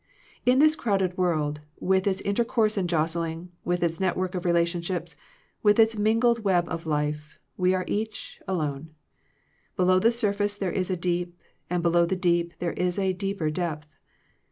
In this crowded world, with its inter course and jostling, with its network of relationships, with its mingled web of life, we are each alone. Below the surface there is a deep, and below the deep there is a deeper depth.